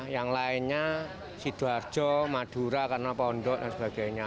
yang lainnya sidoarjo madura karnapondot dan sebagainya